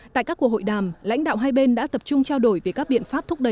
tại các cuộc hội đàm lãnh đạo hai bên đã tập trung trao đổi về các biện pháp thúc đẩy